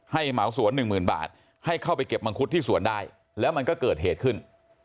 เหมาสวนหนึ่งหมื่นบาทให้เข้าไปเก็บมังคุดที่สวนได้แล้วมันก็เกิดเหตุขึ้น